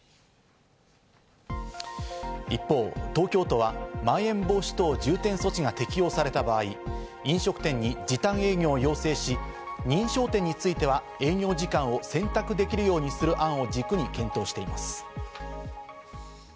一方、東京都はまん延防止等重点措置が適用された場合、飲食店に時短営業を要請し、認証店については営業時間を選択できるようにする案を軸に検討しています。